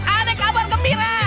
anek abang gembira